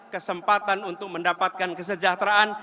kesempatan untuk mendapatkan kesejahteraan